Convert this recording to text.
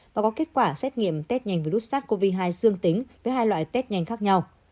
và có kết quả xét nghiệm test nhanh với virus sars cov hai dương tính với hai loại test nhanh khác nhau